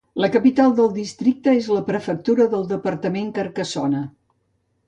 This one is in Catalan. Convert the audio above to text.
La capital del districte és la prefectura del departament, Carcassona.